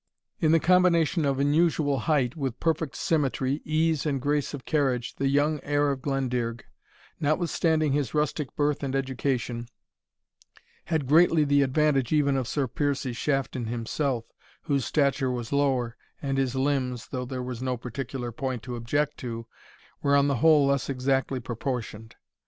In the combination of unusual height with perfect symmetry, ease, and grace of carriage, the young heir of Glendearg, notwithstanding his rustic birth and education, had greatly the advantage even of Sir Piercie Shafton himself, whose stature was lower, and his limbs, though there was no particular point to object to, were on the whole less exactly proportioned.